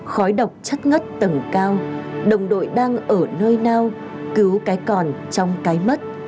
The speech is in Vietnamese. khói độc chất ngất tầng cao đồng đội đang ở nơi nào cứu cái còn trong cái mất